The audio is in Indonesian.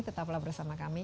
tetaplah bersama kami